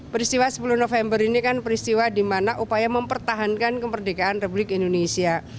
peristiwa sepuluh november ini kan peristiwa di mana upaya mempertahankan kemerdekaan republik indonesia